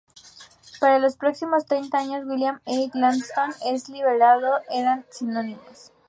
Para los próximos treinta años William E. Gladstone y el liberalismo eran sinónimos.